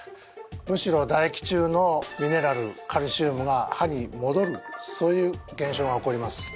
むしろだ液中のミネラルカルシウムが歯にもどるそういう現象が起こります。